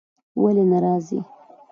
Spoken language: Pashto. ولی نه راځی ؟